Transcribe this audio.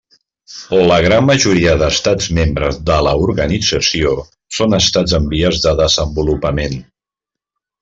La gran majoria d'estats membres de l'organització són estats en vies de desenvolupament.